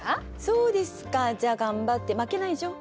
そうですかじゃあ頑張って負けないじょ。